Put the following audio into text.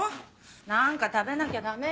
何か食べなきゃダメよ。